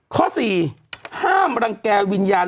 ข้อ๔ห้ามรังแก่วิญญาณ